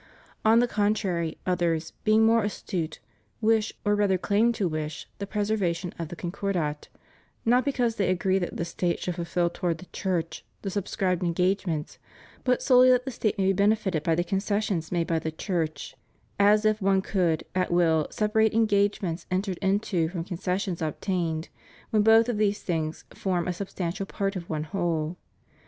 ... On the contrary, others, being more astute, wish, or rather claim to wish, the preservation of the Concordat: not because they agree that the State should fulfil toward the Church the subscribed engagements, but solely that the State may be benefited by the concessions made by the Church; as if one could, at will, separate engagements entered into from concessions obtained, when both of these things form a substantial part of one whole.